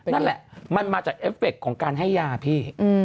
นั่นแหละมันมาจากเอฟเฟคของการให้ยาพี่